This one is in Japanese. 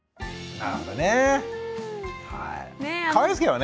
なるほどね。